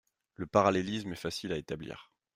Le parallélisme est facile à établir.